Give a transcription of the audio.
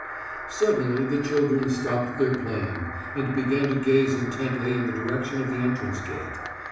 Suddenly the children stopped their playing and began to gaze intently in the direction of the entrance gate.